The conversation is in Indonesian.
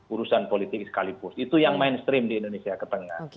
urusan politik sekalipun itu yang mainstream di indonesia ketengah